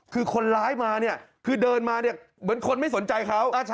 คือคนร้ายมาเนี่ยคือเดินมาเนี่ยเหมือนคนไม่สนใจเขา